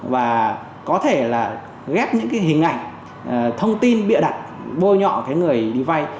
và có thể ghép những hình ảnh thông tin bịa đặt bôi nhọ người đi vay